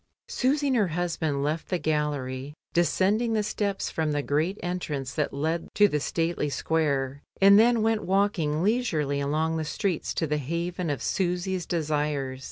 Susy and her husband left the gallery, descend ing the steps from the great entrance that lead to the stately square, and then went walking leisurely along the streets to the haven of Susy's desires.